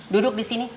duduk di sini